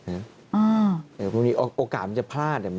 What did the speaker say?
เดี๋ยวก็มีโอกาสมันจะพลาด